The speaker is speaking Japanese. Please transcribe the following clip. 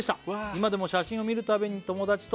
「今でも写真を見るたびに友達と」